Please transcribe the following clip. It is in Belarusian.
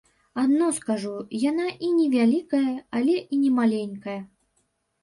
Адно скажу, яна і не вялікая, але і не маленькая.